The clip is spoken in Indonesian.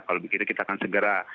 kalau begitu kita akan segera